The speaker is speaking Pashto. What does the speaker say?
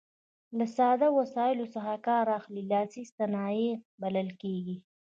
له ساده وسایلو څخه کار اخلي لاسي صنایع بلل کیږي.